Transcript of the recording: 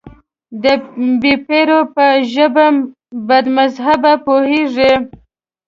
د بې پيره په ژبه بدمذهبه پوهېږي.